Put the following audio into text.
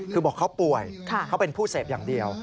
คือบอกเขาป่วยเขาเป็นผู้เสพอย่างเดียว